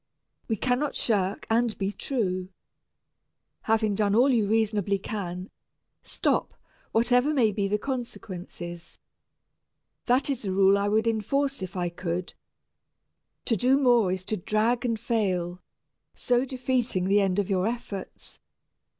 We cannot shirk and be true. Having done all you reasonably can, stop, whatever may be the consequences. That is a rule I would enforce if I could. To do more is to drag and fail, so defeating the end of your efforts.